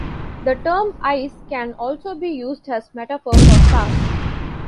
The term "eyes" can also be used as a metaphor for "stars".